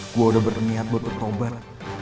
gue udah berniat buat oktober